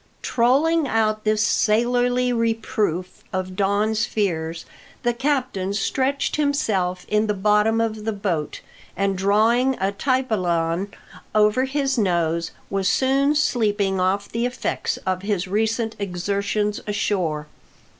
Trolling out this sailorly reproof of Don's fears, the captain stretched himself in the bottom of the boat, and drawing a tai paulin over his nose, was soon sleeping off the effects of his recent exertions ashore.